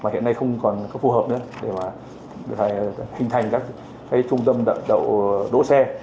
đêm nay không còn có phù hợp nữa để mà hình thành các trung tâm đậu đỗ xe